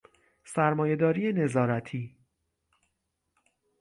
سرمایهداری نظارتی